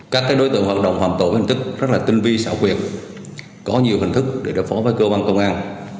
các đối tượng hoạt động phạm tội với hình thức rất là tinh vi xảo quyệt có nhiều hình thức để đối phó với cơ quan công an